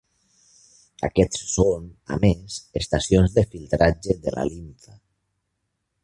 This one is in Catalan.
Aquests són, a més, estacions de filtratge de la limfa.